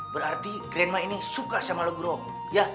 berarti grenma ini suka sama lagu rock ya